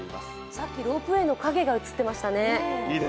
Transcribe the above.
さっきロープウエーの影が映っていましたね。